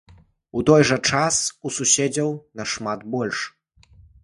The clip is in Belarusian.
У той жа час, у суседзяў нашмат больш.